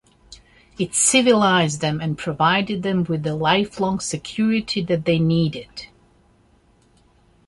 It civilized them and provided them with the lifelong security that they needed.